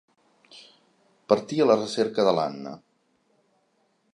Partí a la recerca de l'Anna.